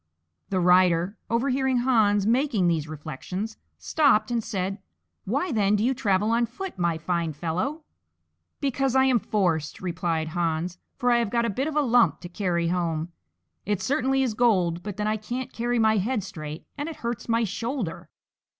The Rider, overhearing Hans making these reflections, stopped and said, "Why, then, do you travel on foot, my fine fellow?" "Because I am forced," replied Hans, "for I have got a bit of a lump to carry home; it certainly is gold, but then I can't carry my head straight, and it hurts my shoulder."